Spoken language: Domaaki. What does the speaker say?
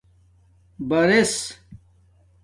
بِرس